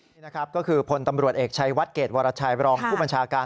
นี่นะครับก็คือพลตำรวจเอกชัยวัดเกรดวรชัยบรองผู้บัญชาการ